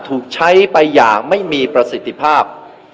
ถูกใช้ไปอย่างไม่มีประสิทธิภาพ